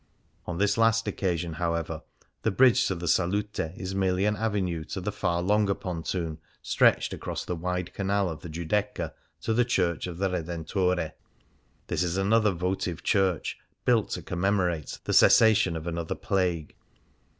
On this last occasion, however, the bridge to the Salute is merely an avenue to the far longer pontoon stretched 125 Things Seen in Venice across the wide canal of the Giudecca to the church of the Redentore. This is another votive church, built to commemorate the cessa tion of another plague.